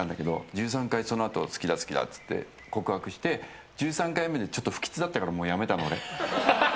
１３回そのあと好きだ好きだって言って告白して、１３回目で不吉だったからもうやめたの、俺。